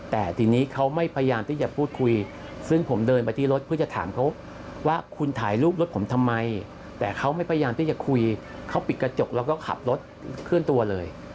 แต่ทีนี้เขาไม่พยายามที่จะพูดคุยซึ่งผมเดินไปที่รถเพื่อจะถามเขาว่าคุณถ่ายรูปรถผมทำไมแต่เขาไม่พยายามที่จะคุยเขาปิดกระจกแล้วก็ขับรถเคลื่อนตัวเลย